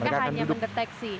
mereka hanya mendeteksi